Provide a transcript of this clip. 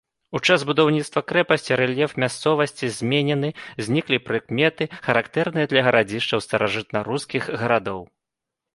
У час будаўніцтва крэпасці рэльеф мясцовасці зменены, зніклі прыкметы, характэрныя для гарадзішчаў старажытнарускіх гарадоў.